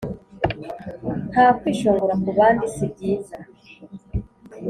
nta kwishongora kubandi sibyiza